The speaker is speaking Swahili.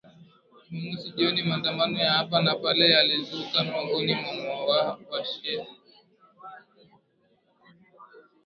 Jumamosi jioni maandamano ya hapa na pale yalizuka miongoni mwa washia